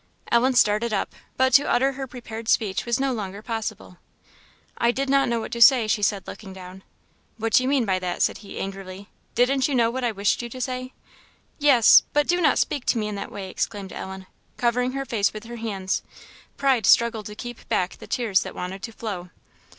Ellen started up, but to utter her prepared speech was no longer possible. "I did not know what to say," she said, looking down. "What do you mean by that?" said he, angrily. "Didn't you know what I wished you to say?" "Yes but do not speak to me in that way!" exclaimed Ellen, covering her face with her hands. Pride struggled to keep back the tears that wanted to flow.